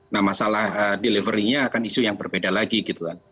nah masalah delivery nya akan isu yang berbeda lagi gitu kan